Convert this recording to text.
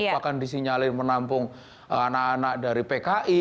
bahkan disinyalir menampung anak anak dari pki